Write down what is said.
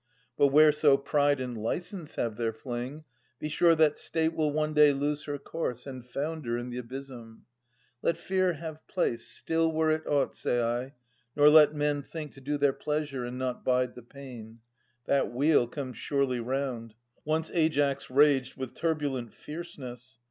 But whereso pride and licence have their fling, Be sure that state will one day lose her course And founder in the abysm. Let fear have*place Still where it ought, say I, nor let men think To do their pleasure and not bide the pain. That wheel comes surely round. Once Aias raged With turbulent fierceness.